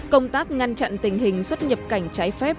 công tác ngăn chặn tình hình xuất nhập cảnh trái phép